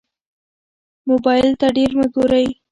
موبایل ته ډېر مه ګورئ.